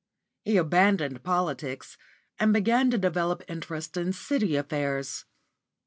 He abandoned politics and began to develop interest in City affairs.